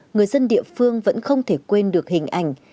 người dân địa phương vẫn không thể quên được hình ảnh